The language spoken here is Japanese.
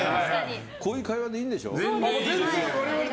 こういう会話でいいんでしょ。